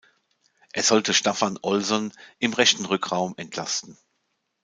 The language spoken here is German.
Er sollte Staffan Olsson im rechten Rückraum entlasten.